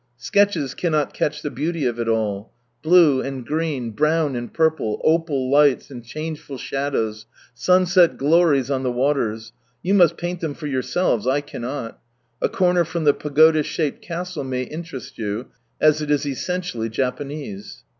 Sketches cannot catch the beauty of it alL Blue and green, brown and purple, opal lights, and changeful shadows, sunset glories on the waters, — you must paint them for yourselves, I cannot. A corner from the pagoda shaped castle may interest you, as it is essentially Japanese.